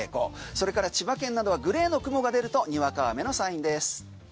それから千葉県などはグレーの雲が出るとにわか雨のサインです。